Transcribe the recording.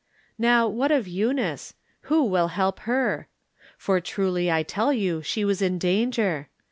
Now what of Eunice ? Who will help her ? For truly I tell you she was in danger.